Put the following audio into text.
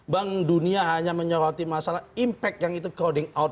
bank dunia hanya menyoroti masalah impact yang itu crowding out